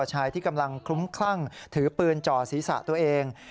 ชายที่กำลังคลุ้มคลั่งถือปืนจ่อศีรษะตัวเอง